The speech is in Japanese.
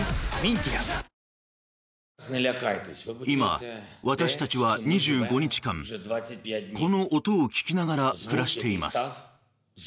今、私たちは２５日間この音を聞きながら暮らしています。